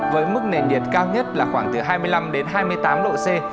với mức nền nhiệt cao nhất là khoảng từ hai mươi năm đến hai mươi tám độ c